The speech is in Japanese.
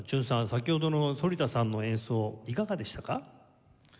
先ほどの反田さんの演奏いかがでしたか？